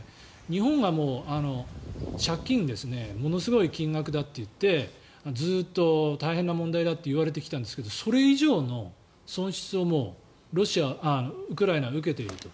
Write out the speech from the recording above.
日本が借金、ものすごい金額だといってずっと大変な問題だといわれてきたんですがそれ以上の損失をもうウクライナは受けていると。